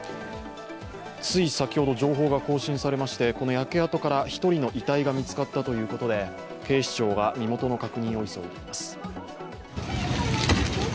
つい先ほど、情報が更新されましてこの焼け跡から１人の遺体が見つかったということで警視庁が身元の確認を急いでいます。